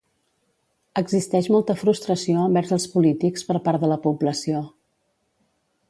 Existeix molta frustració envers els polítics per part de la població.